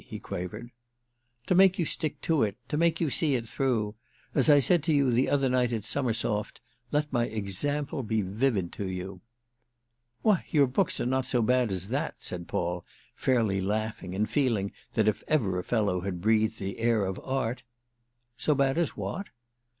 he quavered. "To make you stick to it—to make you see it through. As I said to you the other night at Summersoft, let my example be vivid to you." "Why your books are not so bad as that," said Paul, fairly laughing and feeling that if ever a fellow had breathed the air of art—! "So bad as what?"